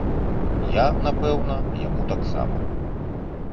Я, напэўна, яму таксама.